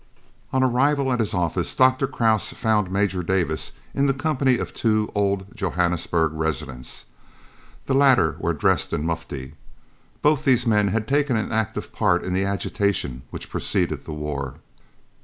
On arrival at his office Dr. Krause found Major Davis in the company of two old Johannesburg residents. The latter were dressed in mufti. Both these men had taken an active part in the agitation which preceded the war.